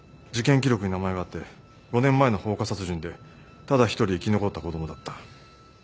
事件記録に名前があって５年前の放火殺人でただ一人生き残った子供だった。